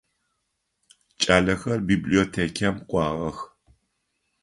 Кӏалэхэр библиотекэм кӏуагъэх.